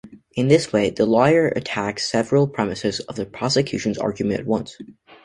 In this way, the lawyer attacks several premises of the prosecution's argument at once.